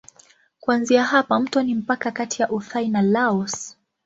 Kuanzia hapa mto ni mpaka kati ya Uthai na Laos.